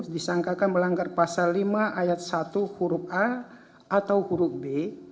disangkakan melanggar pasal lima ayat satu huruf a atau huruf b